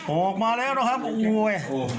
ออกมาแล้วนะครับโอ้โห